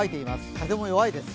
風も弱いです。